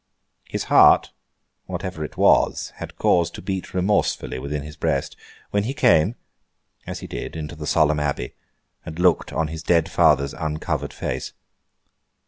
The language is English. His heart, whatever it was, had cause to beat remorsefully within his breast, when he came—as he did—into the solemn abbey, and looked on his dead father's uncovered face.